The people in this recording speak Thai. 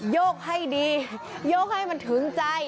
ยกให้ดีโยกให้มันถึงใจ